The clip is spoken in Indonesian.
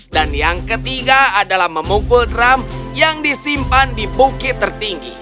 dan yang ketiga adalah memukul drum yang disimpan di bukit tertinggi